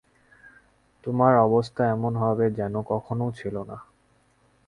তোমার অবস্থা এমন হবে, যেনো কখনও ছিলেই না।